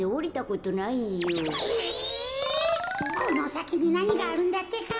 このさきになにがあるんだってか？